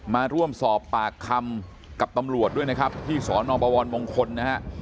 มาร่วมสอบปากคำกับตำรวจด้วยนะครับที่สนบวรมงคลนะฮะ